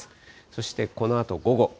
そしてこのあと午後。